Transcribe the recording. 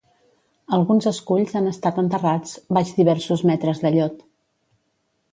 Alguns esculls han estat enterrats baix diversos metres de llot.